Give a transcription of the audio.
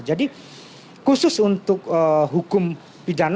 jadi khusus untuk hukum pidana